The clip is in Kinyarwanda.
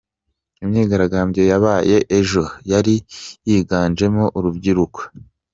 Imyigaragambyo yabaye ejo yari yiganjemo urubyiruko.